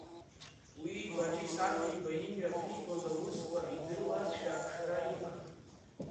Уи Борис Адлеиба имҩаԥигоз аусқәа идыруазшәа аԥшра иман.